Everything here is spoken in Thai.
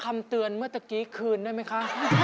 เมื่อเมื่อกี้คืนได้ไหมคะ